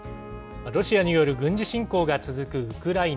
ロシアによる軍事侵攻が続くウクライナ。